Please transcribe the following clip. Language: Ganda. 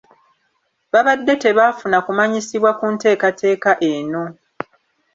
Babadde tebaafuna kumanyisibwa ku nteekateeka eno.